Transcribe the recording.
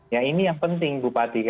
ya ini yang penting bupati